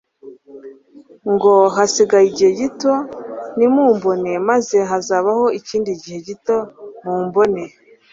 ngo : "Hasigaye igihe gito ntimumbone, maze hazabaho ikindi gihe gito mumbone.